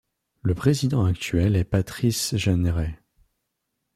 Le président actuel est Patrice Jeanneret.